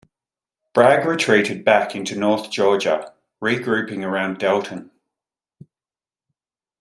Bragg retreated back into north Georgia, regrouping around Dalton.